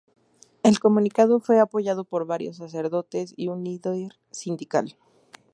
El comunicado fue apoyado por varios sacerdotes y un líder sindical.